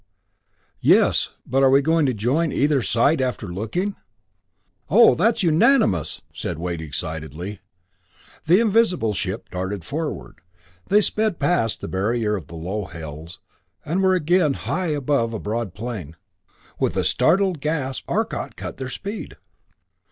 "Yes but are we going to join either side after looking?" "Oh, that's unanimous!" said Wade, excitedly. The invisible ship darted forward. They sped past the barrier of low hills, and were again high above a broad plain. With a startled gasp, Arcot cut their speed.